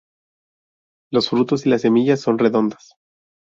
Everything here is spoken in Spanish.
Los frutos y las semillas son redondas.